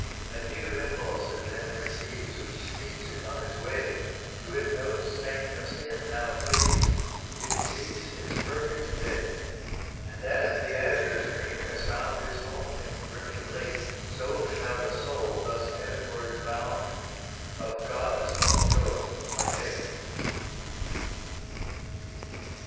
A new impulse it then receives Which speeds it on its way; To it no stain of sin now cleaves It seeks its perfect day. And as the azure stream has found Its home in brimming lake, So shall the soul thus heavenward bound Of God's own joy partake.